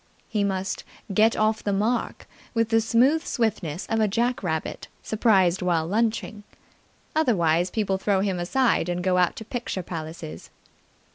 He must get off the mark with the smooth swiftness of a jack rabbit surprised while lunching. Otherwise, people throw him aside and go out to picture palaces.